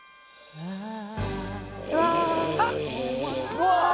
うわ！